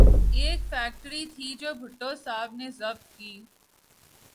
ایک فیکٹری تھی جو بھٹو صاحب نے ضبط کی۔